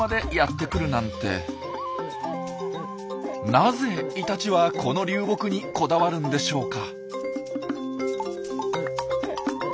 なぜイタチはこの流木にこだわるんでしょうか。